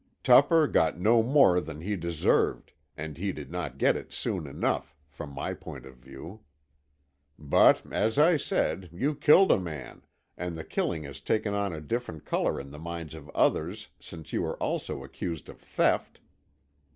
Tupper got no more than he deserved, and he did not get it soon enough—from my point of view. But, as I said, you killed a man, and the killing has taken on a different color in the minds of others, since you are also accused of theft."